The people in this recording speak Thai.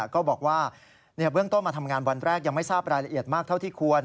ก็บอกว่าเบื้องต้นมาทำงานวันแรกยังไม่ทราบรายละเอียดมากเท่าที่ควร